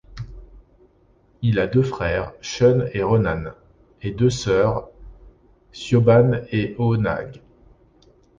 Il a deux frères, Sean et Ronan, et deux sœurs, Siobhan et Oonagh.